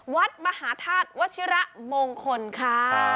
วัดมหาธาตุวัชิระมงคลค่ะ